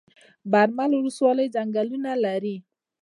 برمل ولسوالۍ ځنګلونه لري؟